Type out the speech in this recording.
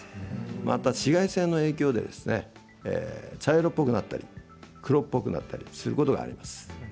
また紫外線の影響で茶色っぽくなったり黒っぽくなったりすることがあります。